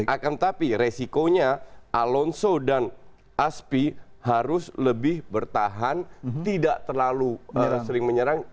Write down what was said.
akan tetapi resikonya alonso dan aspi harus lebih bertahan tidak terlalu sering menyerang